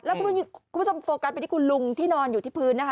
แล้วคุณผู้ชมโฟกัสไปที่คุณลุงที่นอนอยู่ที่พื้นนะคะ